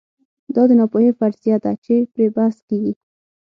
دا د ناپوهۍ فرضیه ده چې پرې بحث کېږي.